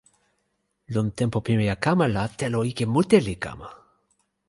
lon tenpo pimeja kama la, telo ike mute li kama!